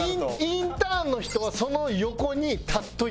インターンの人はその横に立っといてほしい。